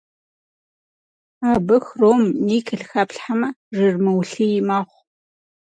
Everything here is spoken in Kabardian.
Абы хром, никель хэплъхьэмэ, жыр мыулъий мэхъу.